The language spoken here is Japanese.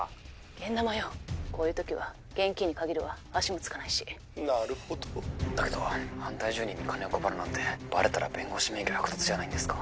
現ナマよこういう時は現金に限るわ足もつかないしなるほどだけど反対住民に金を配るなんてバレたら弁護士免許剥奪じゃないんですか？